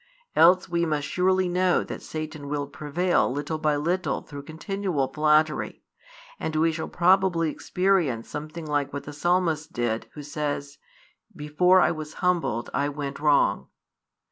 Else we must surely know that Satan will prevail little by little through continual flattery, and we shall probably experience something like what the Psalmist did, who says: Before I was humbled, I went wrong.